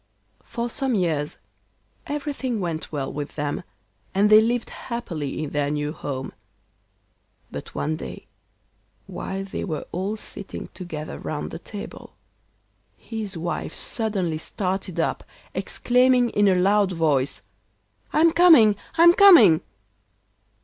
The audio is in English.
For some years everything went well with them, and they lived happily in their new home. But one day, while they were all sitting together round the table, his wife suddenly started up, exclaiming in a loud voice: 'I am coming! I am coming!